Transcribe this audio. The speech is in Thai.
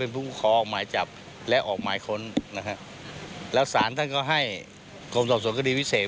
เป็นผู้ขอหมายจับและออกหมายคนนะฮะแล้วศาลท่านเขาให้กรรมสตรวจกดีพิเศษ